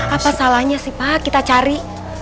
apa salahnya sih pak kita cari